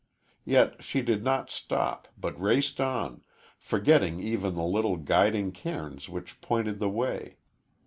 Yet she did not stop, but raced on, forgetting even the little guiding cairns which pointed the way.